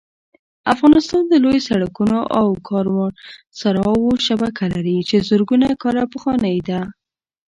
افغانستان د لویو سړکونو او کاروانسراوو شبکه لري چې زرګونه کاله پخوانۍ ده